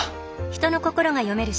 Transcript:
人の心が読める